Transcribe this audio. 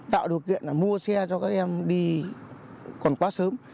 tạo điều kiện là mua xe cho các em đi còn quá sớm